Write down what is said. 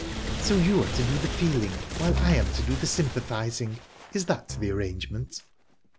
"_ "So you are to do the feeling, while I am to do the sympathising; is that the arrangement?"